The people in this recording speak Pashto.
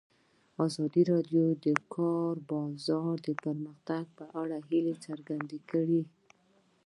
ازادي راډیو د د کار بازار د پرمختګ په اړه هیله څرګنده کړې.